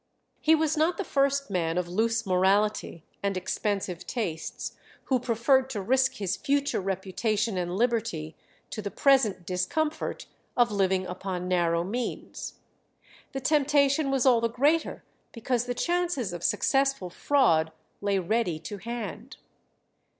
He was not the first man of loose morality and expensive tastes who preferred to risk his future reputation and liberty to the present discomfort of living upon narrow means. The temptation was all the greater because the chances of successful fraud lay ready to hand.